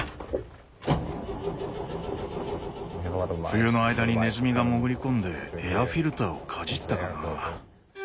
冬の間にねずみが潜り込んでエアフィルターをかじったかな？